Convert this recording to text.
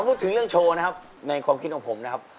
พูดถึงเรื่องโชว์นะครับในความคิดของผมนะครับ